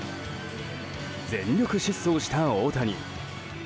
全力疾走した大谷。